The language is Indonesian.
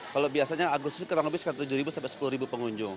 kalau biasanya agustus kurang lebih sekitar tujuh sampai sepuluh pengunjung